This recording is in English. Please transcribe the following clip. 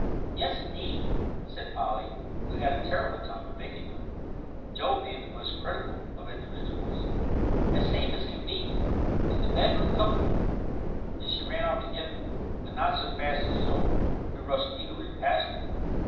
"Yes, indeed," said Polly, who had a terrible time in making them, Joel being the most critical of individuals, "as safe as can be, in the bedroom cupboard;" and she ran off to get them, but not so fast as Joel, who rushed eagerly past her.